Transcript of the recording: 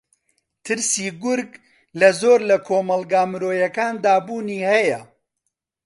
ترسی گورگ لە زۆر لە کۆمەڵگا مرۆیییەکاندا بوونی ھەیە